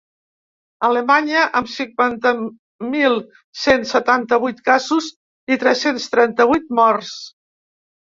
Alemanya, amb cinquanta mil cent setanta-vuit casos i tres-cents trenta-vuit morts.